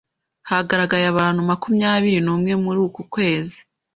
hagaragaye abantu makumyabiri numwe muri uku kwezi.